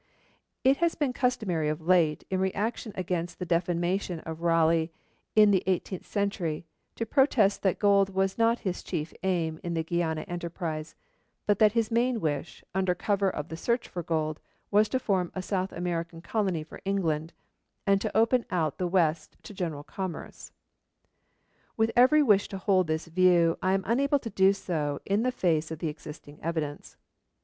It has been customary of late, in reaction against the defamation of Raleigh in the eighteenth century, to protest that gold was not his chief aim in the Guiana enterprise, but that his main wish, under cover of the search for gold, was to form a South American colony for England, and to open out the west to general commerce. With every wish to hold this view, I am unable to do so in the face of the existing evidence.